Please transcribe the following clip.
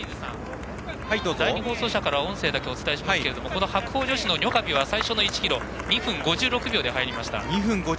第２放送車から音声だけお伝えしますが白鵬女子のニョカビは最初の１ｋｍを２分５６秒で入りました。